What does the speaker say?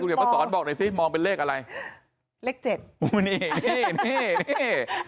คุณเหนียวมาสอนบอกหน่อยสิมองเป็นเลขอะไรเลขเจ็ดนี่นี่นี่นี่